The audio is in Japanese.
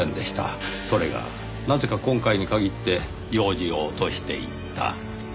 それがなぜか今回に限って楊枝を落としていった。